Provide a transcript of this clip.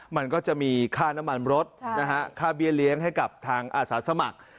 มันก็จะมีค่าน้ำมันรถค่าเบี้ยเลี้ยงให้กับทางอาสาสมัคร